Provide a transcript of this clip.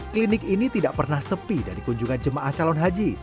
klinik ini tidak pernah sepi dari kunjungan jemaah calon haji